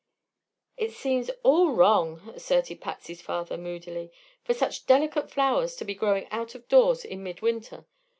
"It seems all wrong," asserted Patsy's father, moodily, "for such delicate flowers to be growing out of doors in midwinter.